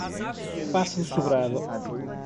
Passo do Sobrado